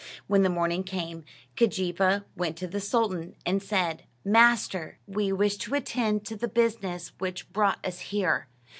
When the morning came, Keejeepaa went to the sultan and said: "Master, we wish to attend to the business which brought us here.